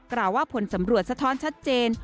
กล่าวว่าผลสำรวจสะท้อนชัดเจน